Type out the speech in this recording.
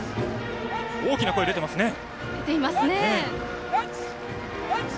大きな声が出ていますね。